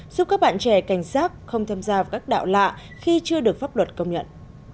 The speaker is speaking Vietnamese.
giúp các bạn trẻ cảnh giác không tham gia vào các đạo lạ khi chưa được pháp luật công nhận